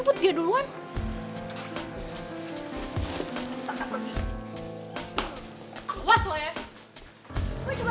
gue gak mau pegangin sih